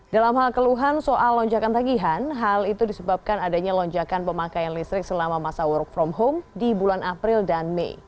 dalam hal keluhan soal lonjakan tagihan hal itu disebabkan adanya lonjakan pemakaian listrik selama masa work from home di bulan april dan mei